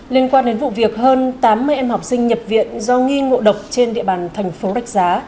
liên quan đến vụ việc hơn tám mươi em học sinh nhập viện do nghi ngộ độc trên địa bàn thành phố rạch giá